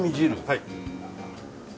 はい。